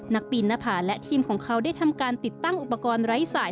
ปีนหน้าผาและทีมของเขาได้ทำการติดตั้งอุปกรณ์ไร้สาย